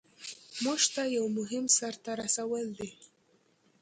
مونږ ته یو مهم سر ته رسول دي.